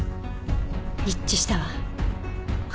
一致したわ。